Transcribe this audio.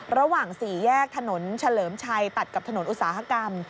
ระหว่างสี่แยกถนนเฉลิมชัยตัดกับถนนอุตสาหกรรม